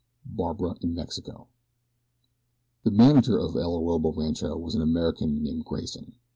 BARBARA IN MEXICO THE manager of El Orobo Rancho was an American named Grayson.